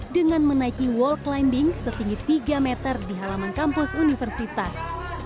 dengan menaiki wall climbing setinggi tiga meter di halaman kampus universitas